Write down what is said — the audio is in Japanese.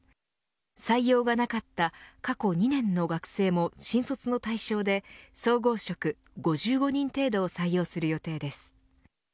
採用がなかった過去２年の学生も新卒の対象で、総合職５５人程度を採用する予定です。